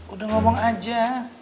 udah ngomong aja